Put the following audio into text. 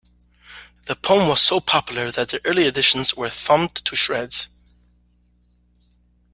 The poem was so popular that the early editions were thumbed to shreds.